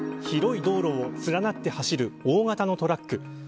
広い道路を連なって走る大型のトラック